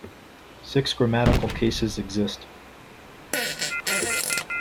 Six grammatical cases exist.